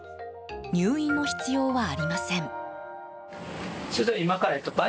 入院の必要はありません。